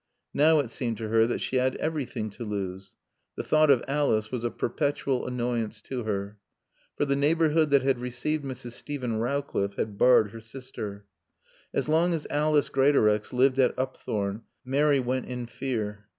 Now it seemed to her that she had everything to lose. The thought of Alice was a perpetual annoyance to her. For the neighborhood that had received Mrs. Steven Rowcliffe had barred her sister. As long as Alice Greatorex lived at Upthorne Mary went in fear.